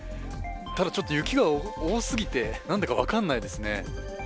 ただ雪が多すぎて何だか分かんないですね。